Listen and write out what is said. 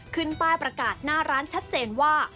ขึ้นป้ายประกาศหน้าร้านชัดเจนว่า